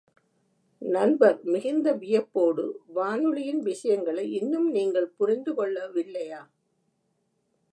நண்பர் மிகுந்த வியப்போடு, வானொலியின் விஷயங்களை இன்னும் நீங்கள் புரிந்து கொள்ள வில்லையா?